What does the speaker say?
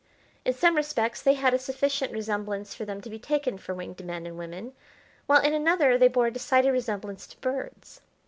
In some respects they had a sufficient resemblance for them to be taken for winged men and women, while in another they bore a decided resemblance to birds.